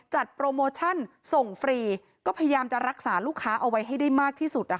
โปรโมชั่นส่งฟรีก็พยายามจะรักษาลูกค้าเอาไว้ให้ได้มากที่สุด